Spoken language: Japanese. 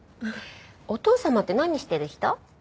お父様って何してる人？